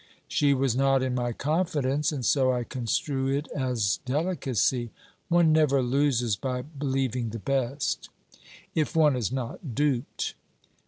'She was not in my confidence, and so I construe it as delicacy. One never loses by believing the best.' 'If one is not duped.'